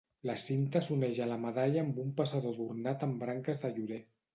La cinta s'uneix a la medalla amb un passador adornat amb branques de llorer.